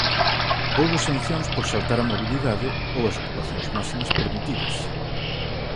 Houbo sancións por saltar a mobilidade ou as ocupacións máximas permitidas.